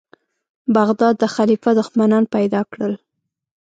بغداد د خلیفه دښمنان پیدا کړل.